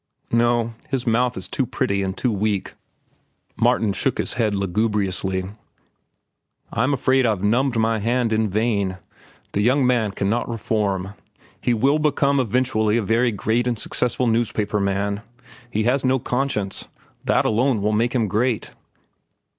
"No, his mouth is too pretty and too weak." Martin shook his head lugubriously. "I'm afraid I've numbed my hand in vain. The young man cannot reform. He will become eventually a very great and successful newspaper man. He has no conscience. That alone will make him great."